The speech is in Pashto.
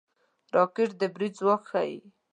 راکټ د برید ځواک ښيي